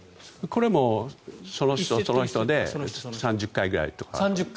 これもその人その人で３０回くらいとか。